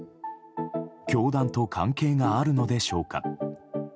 教団と関係があるのでしょうか。